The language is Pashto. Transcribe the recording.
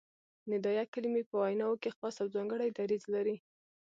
ندائیه کلیمې په ویناوو کښي خاص او ځانګړی دریځ لري.